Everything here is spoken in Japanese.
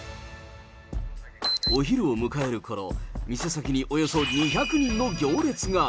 お昼を迎えるころ、店先におよそ２００人の行列が。